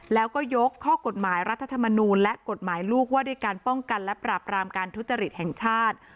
แล้วก็ยกข้อกฎหมายรัฐธรรมนูลและกฎหมายลูกว่าด้วยการป้องกันและปราบรามการทุจริตแห่งชาติ